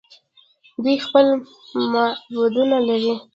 دوی خپل معبدونه لري.